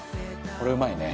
これうまいね！